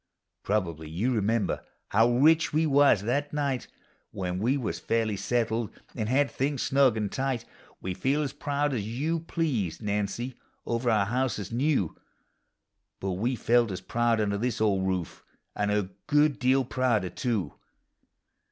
Probably you remember how rich we was that night. When we was fairly settled, an' had things snug and tight: We feel as proud as you please, Nancy, over our house that 's new, Jtut we felt as proud under this old roof, and a good deal prouder, too.